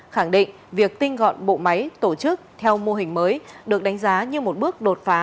khẳng định việc tinh gọn bộ máy tổ chức theo mô hình mới được đánh giá như một bước đột phá